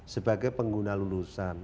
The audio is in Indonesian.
sebagai pengguna lulusan